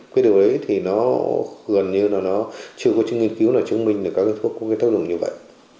với điều đấy thì nó gần như là nó chưa có nghiên cứu nào chứng minh được các thuốc có cái thất lượng như vậy